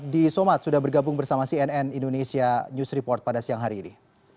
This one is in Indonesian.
di somad sudah bergabung bersama cnn indonesia news report pada siang hari ini